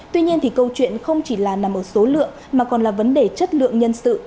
tuy nhiên câu chuyện không chỉ là nằm ở số lượng mà còn là vấn đề chất lượng nhân sự